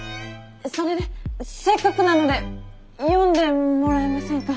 それでせっかくなので読んでもらえませんか？